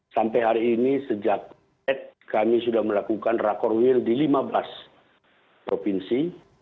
sampai hari ini sejak kami sudah melakukan rakor will di lima belas provinsi